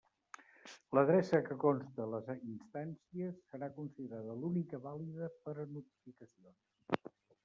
L'adreça que conste en les instàncies serà considerada l'única vàlida per a notificacions.